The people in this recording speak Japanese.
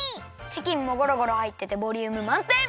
チキンもゴロゴロはいっててボリュームまんてん！